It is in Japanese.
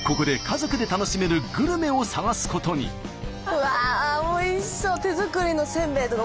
うわおいしそう。